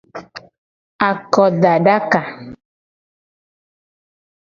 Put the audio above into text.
Akodadaka.